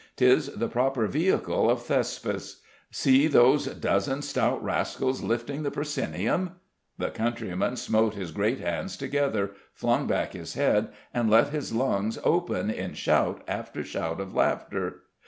'Tis the proper vehicle of Thespis. See those dozen stout rascals lifting the proscenium " The countryman smote his great hands together, flung back his head, and let his lungs open in shout after shout of laughter.